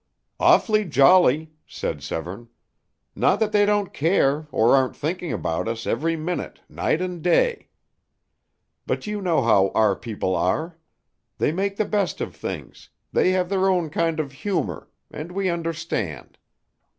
"Awfully jolly," said Severne. "Not that they don't care, or aren't thinking about us, every minute, night and day. But you know how our people are. They make the best of things; they have their own kind of humor and we understand.